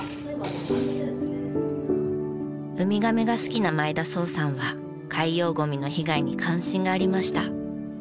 ウミガメが好きな前田蒼羽さんは海洋ゴミの被害に関心がありました。